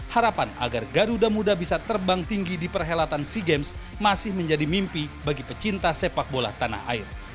harapan agar garuda muda bisa terbang tinggi di perhelatan sea games masih menjadi mimpi bagi pecinta sepak bola tanah air